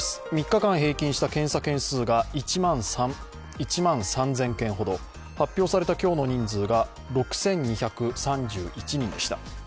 ３日間平均した検査件数が１万３０００件程発表された今日の人数が６２３１人でした。